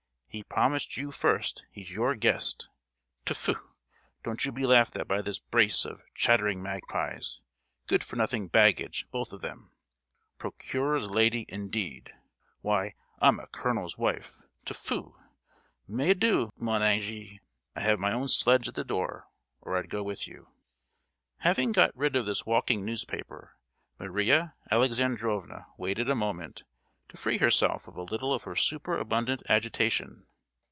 He promised you first, he's your guest. Tfu! don't you be laughed at by this brace of chattering magpies—good for nothing baggage, both of them. 'Procuror's lady,' indeed! Why, I'm a Colonel's wife. Tfu!—Mais adieu, mon ange. I have my own sledge at the door, or I'd go with you." Having got rid of this walking newspaper, Maria Alexandrovna waited a moment, to free herself of a little of her super abundant agitation.